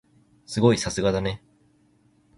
すごい！さすがだね。